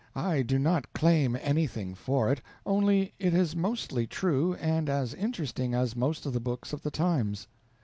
I do not claim anything for it only it is mostly true and as interesting as most of the books of the times.